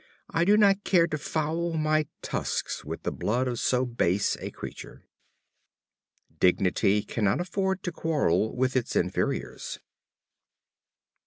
I do not care to foul my tusks with the blood of so base a creature." Dignity cannot afford to quarrel with its inferiors.